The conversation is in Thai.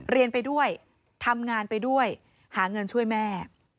เรียนไปด้วยทำงานไปด้วยหาเงินช่วยแม่